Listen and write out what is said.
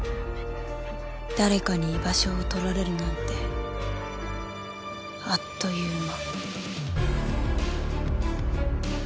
誰かに居場所を取られるなんてあっという間